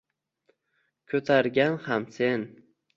Ko’targan ham sen.